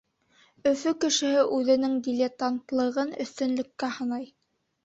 Өфө кешеһе үҙенең дилетантлығын өҫтөнлөккә һанай.